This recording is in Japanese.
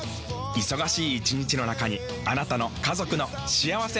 忙しい一日の中にあなたの家族の幸せな時間をつくります。